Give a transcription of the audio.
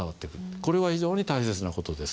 これは非常に大切な事です。